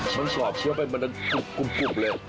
มันกรอบเชียวไปมันกรุบเลย